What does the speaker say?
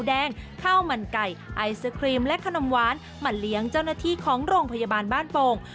ไอศครีมและขนมหวานมาเลี้ยงเจ้าหน้าที่ของโรงพยาบาลบ้านโป่ง